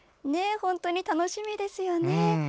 本当に楽しみですよね。